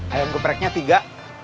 ayam gepreknya tiga